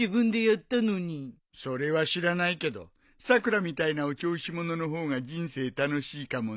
それは知らないけどさくらみたいなお調子者の方が人生楽しいかもな。